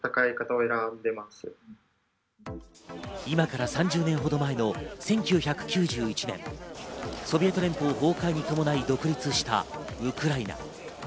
今から３０年ほど前の１９９１年、ソビエト連邦崩壊に伴い独立したウクライナ。